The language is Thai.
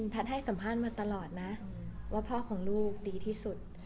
แพทย์ให้สัมภาษณ์มาตลอดนะว่าพ่อของลูกดีที่สุด